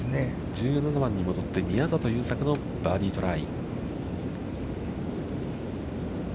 １７番に戻って、宮里優作のバーディートライ。